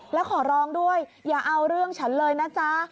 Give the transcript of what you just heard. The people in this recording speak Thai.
แล้วขอร้องด้วยอย่าเอาเรื่องฉันเลยนะจ๊ะ